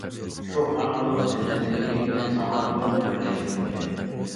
شۇ ئارقىلىق ئەنئەنىۋىلىك بىلەن زامانىۋىلىق بىرلەشتۈرۈلگەن.